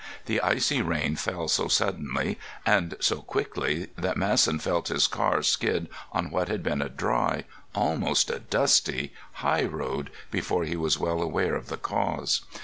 The icy rain fell so suddenly and so quickly that Masson felt his car skid on what had been a dry—almost a dusty—high road before he was well aware of the cause.